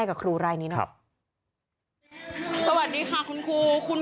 คุณครูคนไหน